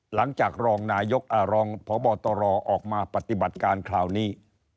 หลังจากรองนายกรองพบตรออกมาปฏิบัติการคราวนี้